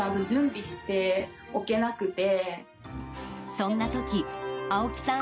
そんな時青木さん